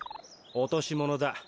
おとしものだ。